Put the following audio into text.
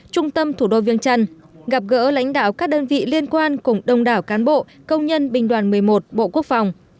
trung tâm thủ đô viêng trăn gặp gỡ lãnh đạo các đơn vị liên quan cùng đông đảo cán bộ công nhân binh đoàn một mươi một bộ quốc phòng